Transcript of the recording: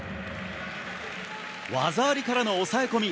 技ありからの抑え込み。